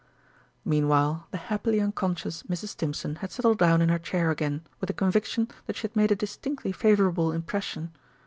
Meanwhile the happily unconscious Mrs. Stimpson had settled down in her chair again with the conviction that she had made a distinctly favourable impression.